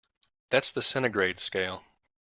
That's the centigrade scale.